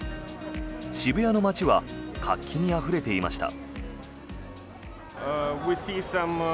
渋谷の街は活気にあふれていました。